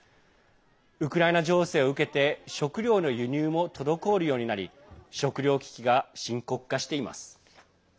ウクライナ情勢を受けて食料の輸入も滞るようになり食料危機が深刻化しています。